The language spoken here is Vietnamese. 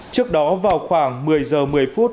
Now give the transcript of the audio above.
trước đó vào khoảng một mươi giờ một mươi phút